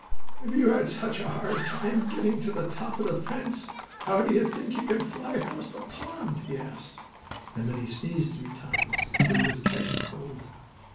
"If you had such hard work getting to the top of the fence, how do you think you can fly across the pond?" he asked, and then he sneezed three times, for he was catching cold.